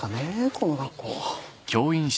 この学校。